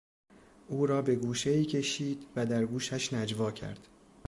او را به گوشهای کشید و در گوشش نجوا کرد.